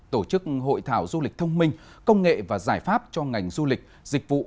tổ chức hội thảo du lịch thông minh công nghệ và giải pháp cho ngành du lịch dịch vụ